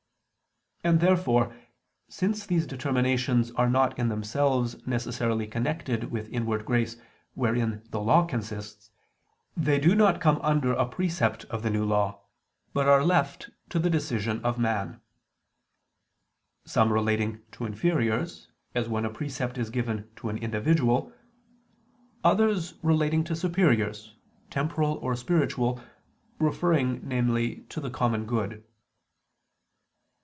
And therefore, since these determinations are not in themselves necessarily connected with inward grace wherein the Law consists, they do not come under a precept of the New Law, but are left to the decision of man; some relating to inferiors as when a precept is given to an individual; others, relating to superiors, temporal or spiritual, referring, namely, to the common good.